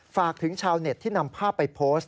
ฝากถึงชาวเน็ตที่นำภาพไปโพสต์